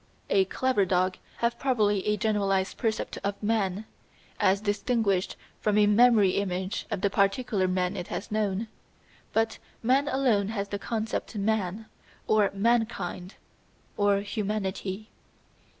A clever dog has probably a generalised percept of man, as distinguished from a memory image of the particular men it has known, but man alone has the concept Man, or Mankind, or Humanity.